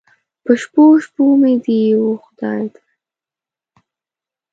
په شپو، شپو مې دې و خدای ته